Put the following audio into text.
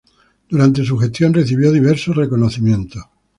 Durante su gestión recibió diversos reconocimientos.